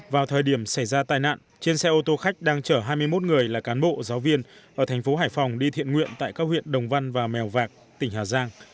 vào thời điểm xảy ra tai nạn trên xe ô tô khách đang chở hai mươi một người là cán bộ giáo viên ở thành phố hải phòng đi thiện nguyện tại các huyện đồng văn và mèo vạc tỉnh hà giang